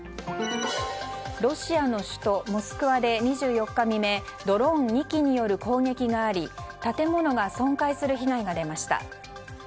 ロシアの首都モスクワで２４日未明ドローン２機による攻撃があり建物が損壊する被害が出ました。